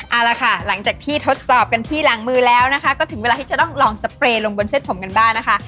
เอาละค่ะหลังจากที่ทดสอบกันที่หลังมือแล้วนะคะก็ถึงเวลาที่จะต้องลองสเปรย์ลงบนเส้นผมกันบ้างนะคะ